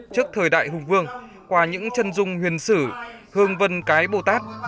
trước thời đại hùng vương qua những chân dung huyền sử hương vân cái bồ tát